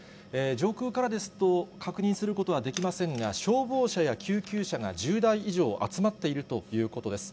上空からですと、確認することはできませんが、消防車や救急車が１０台以上集まっているということです。